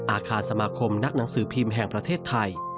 อาคารสมาคมนักหนังสือพิมพ์แห่งประเทศไทย